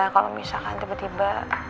kalau misalkan tiba tiba